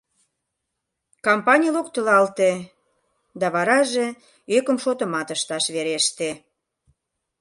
Кампаний локтылалте, да вараже ӧкым шотымат ышташ вереште.